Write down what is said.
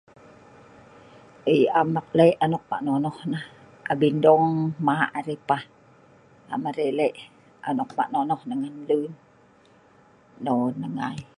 Iih am ek leh' anok nah' nonoh nah. Abin dong hmah arai pah, am arai leh' anok mah' nonoh nah ngan lun. Non nah ngai.